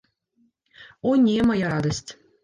О не, мая радасць!